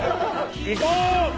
いこう！